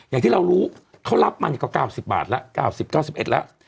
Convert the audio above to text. อย่างที่เรารู้เขารับมานี่ก็๙๐บาทแล้ว๙๐๙๑แล้ว